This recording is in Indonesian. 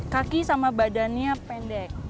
kaki sama badannya pendek